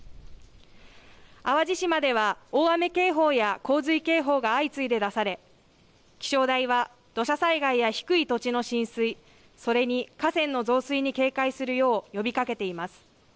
淡路島では大雨警報や洪水警報が相次いで出され気象台は土砂災害や低い土地の浸水それに河川の増水に警戒するよう呼びかけています。